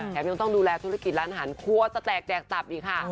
ยังต้องดูแลธุรกิจร้านอาหารครัวจะแตกแดกตับอีกค่ะ